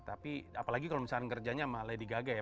tapi apalagi kalau misalnya kerjanya sama lady gaga ya